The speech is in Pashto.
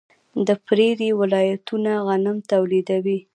د پریري ولایتونه غنم تولیدوي.